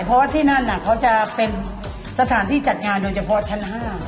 เพราะว่าที่นั่นเขาจะเป็นสถานที่จัดงานโดยเฉพาะชั้น๕